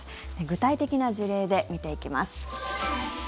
具体的な事例で見ていきます。